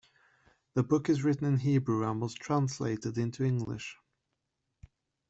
The book is written in Hebrew and was translated into English.